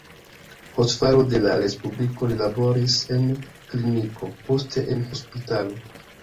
Post falo de la respubliko li laboris en kliniko, poste en hospitalo.